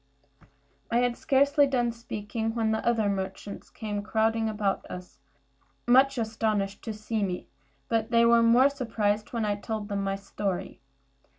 I had scarcely done speaking, when the other merchants came crowding about us, much astonished to see me; but they were much more surprised when I told them my story.